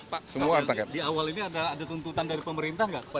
pak di awal ini ada tuntutan dari pemerintah nggak pak